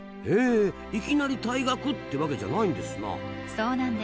へえいきなり退学ってわけじゃないんですな。